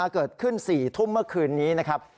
เกิดขึ้น๔ทุ่มเมื่อคืนนี้นะครับ